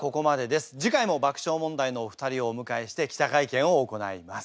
次回も爆笑問題のお二人をお迎えして記者会見を行います。